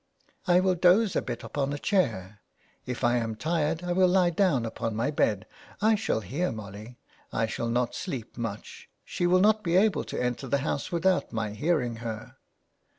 *' I will doze a bit upon a chair. If I am tired I will lie down upon my bed. I shall hear Molly; I 253 THE WEDDING GOWN. shall not sleep much. She will not be able to enter the house without my hearing her."